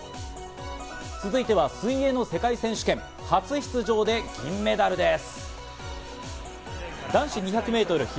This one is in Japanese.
続いては水泳の世界選手権、初出場で銀メダルです。